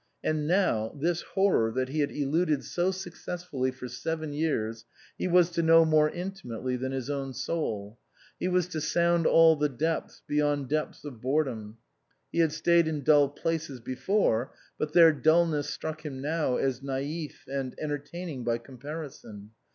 And now, this horror that he had eluded so successfully for seven years, he was to know more intimately than his own soul ; he was to sound all the depths beyond depths of boredom. He had stayed in dull places before, but their dulness struck him now as naif and entertaining by comparison.